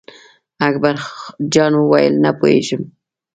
اکبر جان وویل: نه پوهېږم.